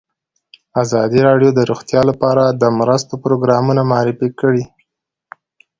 ازادي راډیو د روغتیا لپاره د مرستو پروګرامونه معرفي کړي.